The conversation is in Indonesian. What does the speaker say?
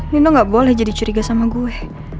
nino gak boleh jadi curiga sama gue